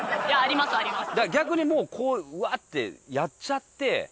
だから逆にもううわーってやっちゃって。